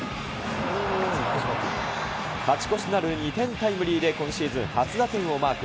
勝ち越しとなる２点タイムリーで今シーズン初打点をマーク。